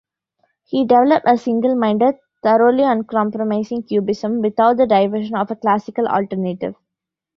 He developed a single-minded, thoroughly uncompromising Cubism without the diversion of a classical alternative.